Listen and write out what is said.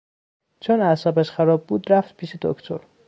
چون اعصابش خراب بود رفت پیش دکتر.